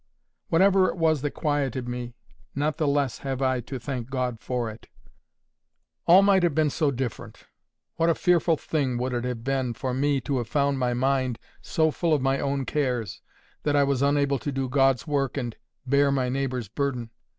Whatever it was that quieted me, not the less have I to thank God for it. All might have been so different. What a fearful thing would it have been for me to have found my mind so full of my own cares, that I was unable to do God's work and bear my neighbour's burden!